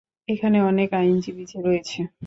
এখানে অনেক আইনজীবী রয়েছে।